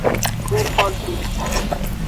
Ngxo gbe.